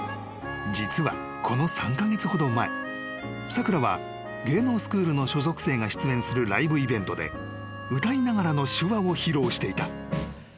［さくらは芸能スクールの所属生が出演するライブイベントで歌いながらの手話を披露していた］